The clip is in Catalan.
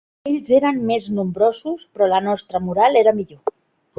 Ells eren més nombrosos, però la nostra moral era millor